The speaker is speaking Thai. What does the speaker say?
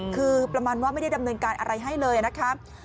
คือประมาณว่าไม่ได้ดำเนินการอะไรให้เลยนะครับ